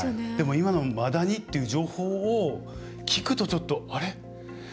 でも今のマダニっていう情報を聞くと、ちょっとあれ？